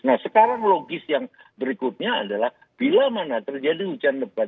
nah sekarang logis yang berikutnya adalah bila mana terjadi hujan lebat